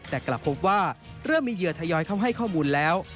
แต่กลับพบว่าเริ่มมีเหยื่อทยอยเข้าให้ข้อมูลแล้ว